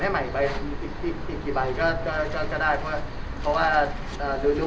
ถ้าไม่ใช่ก็ฉีกไว้ก่อนแต่ว่าจะให้ดูใส่ใหม่จะได้